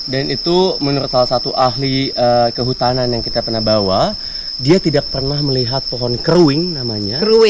dan itu menurut salah satu ahli kehutanan yang kita pernah bawa dia tidak pernah melihat pohon keruing namanya